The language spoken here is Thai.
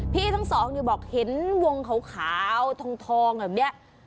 พี่ทั้งสองบอกเห็นวงขาวทองแบบนี้